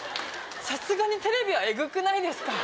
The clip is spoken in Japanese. さすがにテレビはエグくないですか？